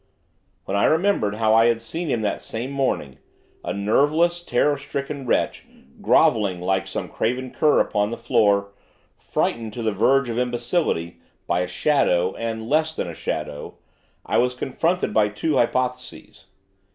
When I remembered how I had seen him that same morning, a nerveless, terror stricken wretch, grovelling, like some craven cur, upon the floor, frightened, to the verge of imbecility, by a shadow, and less than a shadow, I was confronted by two hypotheses.